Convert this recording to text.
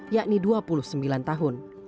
yakni dua puluh sembilan tahun